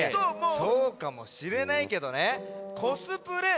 そうかもしれないけどね「コスプレ！